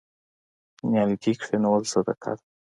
نیالګي کینول صدقه ده.